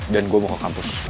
dan gua mau ke kampus